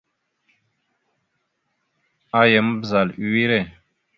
Aya ma, zal a wire.